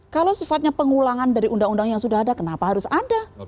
kalau sifatnya pengulangan dari undang undang yang sudah ada kenapa harus ada